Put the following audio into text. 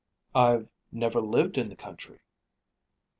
"I've never lived in the country."